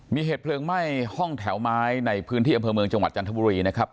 มีเหตุเพลิงไหม้ห้องแถวไม้ในพื้นที่อำเภอเมืองจังหวัดจันทบุรีนะครับ